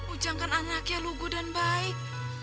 ujang kan anaknya lugu dan baik